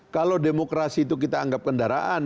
kalau demokrasi itu kita anggap kendaraan